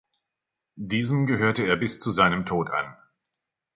Diesem gehörte er bis zu seinem Tod an.